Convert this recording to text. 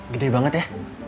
gede banget ya